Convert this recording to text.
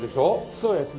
そうですね。